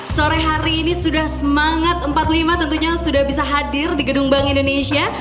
sore hari ini sudah semangat empat puluh lima tentunya sudah bisa hadir di gedung bank indonesia